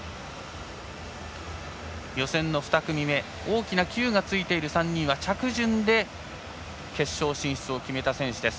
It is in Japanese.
予選２組目大きなＱがつく３人は着順で決勝進出を決めた選手。